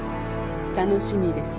楽しみです